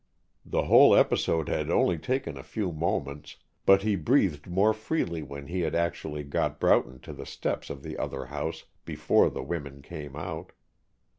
The whole episode had only taken a few moments, but he breathed more freely when he had actually got Broughton to the steps of the other house before the women came out.